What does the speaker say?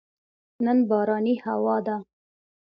نن بارانې هوا ده